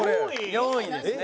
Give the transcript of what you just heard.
４位ですね。